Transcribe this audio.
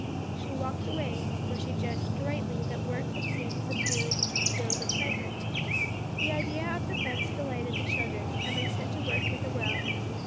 She walked away, for she judged rightly that work would soon subdue Jill's excitement. The idea of the fence delighted the children, and they set to work with a will.